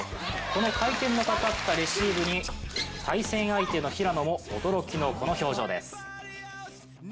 この回転のかかったレシーブに対戦相手の平野も驚きのこの表情です。